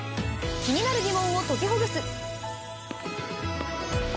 気になるギモンを解きほぐす。